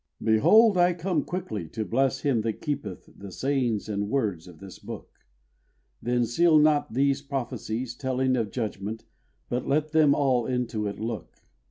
"Behold, I come quickly, to bless him that keepeth The sayings and words of this book; Then seal not these prophecies, telling of judgment, But let them all into it look.